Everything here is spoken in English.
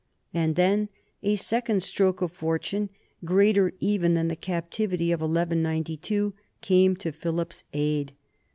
And then a second stroke of fortune, greater even than the captivity of 1192, came to Philip's aid.